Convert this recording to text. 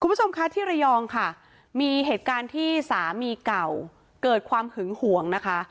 คุณผู้ชมคะที่ระยองค่ะมีเหตุการณ์ที่สามีเก่าเกิดความหึงห่วงนะคะ